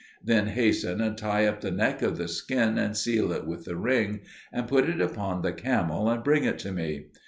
Then hasten and tie up the neck of the skin, and seal it with the ring, and put it upon the camel, and bring it to me.